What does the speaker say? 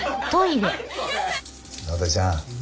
野田ちゃん